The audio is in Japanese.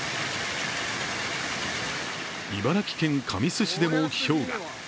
茨城県神栖市でも、ひょうが。